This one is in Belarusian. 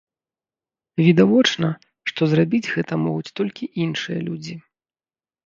Відавочна, што зрабіць гэта могуць толькі іншыя людзі.